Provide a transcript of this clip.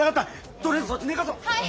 とりあえずそっち寝かそ。